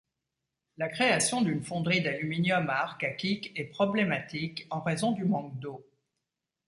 La création d'une fonderie d'aluminium à Arkakyk est problématique, en raison du manque d'eau.